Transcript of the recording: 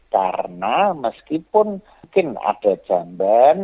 karena meskipun mungkin ada jamban